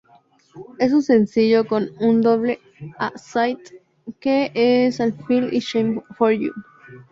Es un sencillo con un doble A-side, que es Alfie y Shame for you.